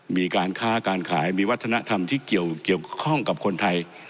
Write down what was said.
มีการค้าการขายมีวัฒนธรรมที่เกี่ยวข้องกับคนไทย